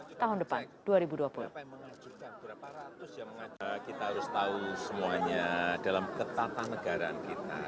kita harus tahu semuanya dalam ketatanegaraan kita